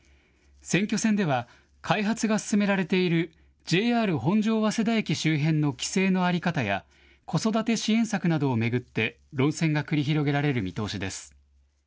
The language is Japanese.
選挙戦では開発が進められているＪＲ本庄早稲田駅周辺の規制の在り方や子育て支援策などを巡って論戦が繰り広げられる見通しです。